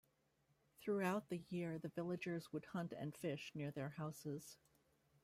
Throughout the year the villagers would hunt and fish near their houses.